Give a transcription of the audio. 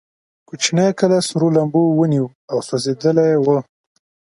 کوچنی کلی سرو لمبو ونیو او سوځېدلی و.